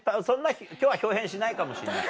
今日は豹変しないかもしんない